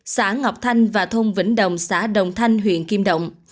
xã ngọc thanh và thôn vĩnh đồng xã đồng thanh huyện kim động